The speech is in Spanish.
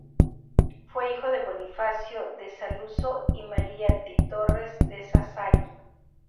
Fue hijo de Bonifacio de Saluzzo y María di Torres de Sassari.